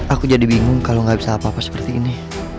aku jadi bingung kalau nggak bisa apa apa seperti ini